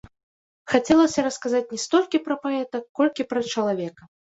Хацелася расказаць не столькі пра паэта, колькі пра чалавека.